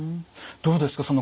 どうですか？